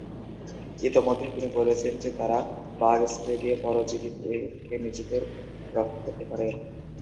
ইতোমধ্যে, তিনি বলেছেন যে তারা বাগ স্প্রে দিয়ে পরজীবী থেকে নিজেদের রক্ষা করতে পারে।